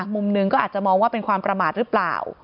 มุมหนึ่งก็อาจจะมองว่าเป็นความประมาทหรือเปล่า